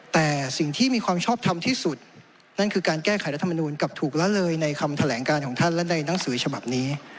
แต่สิ่งที่มีความชอบทำที่สุดนั่นคือการแก้ไขรัฐมนูลกลับถูกละเลยในคำแถลงการของท่านและในหนังสือฉบับนี้